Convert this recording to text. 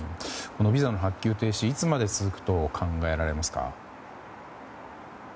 ビザの発給停止いつまで続くと考えられますか？